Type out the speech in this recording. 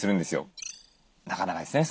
なかなかですね